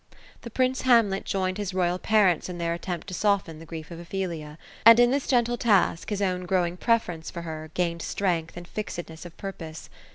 The prince Hamlet joined his royal parents in their attempt to soften the grief of Ophelia ; and in this gentle task, his own growing prefer ence for her, gained strength and fixedness of purpose.